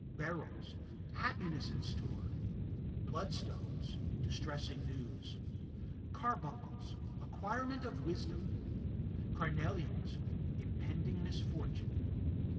Beryls Happiness in store. Bloodstones Distressing news. Carbuncles Acquirement of wisdom. Carnelians Impending misfortune.